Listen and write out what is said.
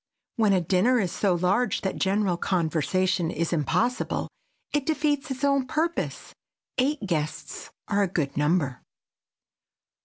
When a dinner is so large that general conversation is impossible, it defeats its own purpose. Eight guests are a good number.